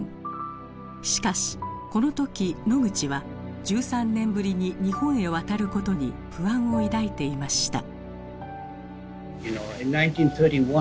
しかしこの時ノグチは１３年ぶりに日本へ渡ることに不安を抱いていました。